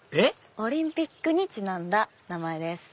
オリンピックにちなんだ名前です。